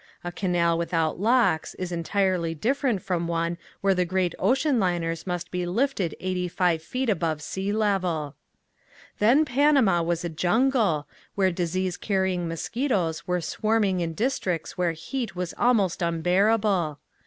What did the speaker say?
A canal without locks is entirely different from one where great ocean liners must be lifted eighty five feet above sea level. Then Panama was a jungle, where disease carrying mosquitoes were swarming in districts where heat was almost unbearable.